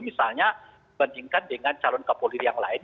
misalnya bandingkan dengan calon kapolri yang lain